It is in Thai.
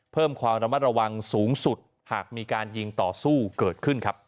เพิ่มความระมัดระวังสูงสุดหากมีการยิงต่อสู้เกิดขึ้นครับ